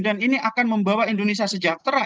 dan ini akan membawa indonesia sejahtera